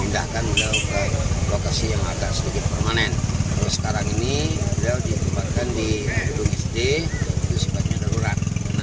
di kepakarannya pemerintah kabupaten agam telah meng myanmar mimos adhusiupun melaka